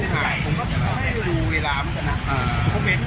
ผมก็ไม่รู้เวลามันกันอ่ะ